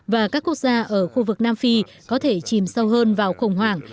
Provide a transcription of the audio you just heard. và các quốc gia ở khu vực nam phi có thể chìm sâu hơn vào khủng hoảng